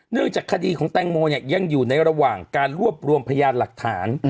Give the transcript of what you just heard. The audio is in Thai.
เนื่องจากคดีของแต้งโมยังอยู่ในระหว่างการรวบรวมพยานหลักฐาน